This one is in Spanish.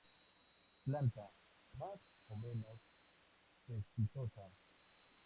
Planta más o menos cespitosa.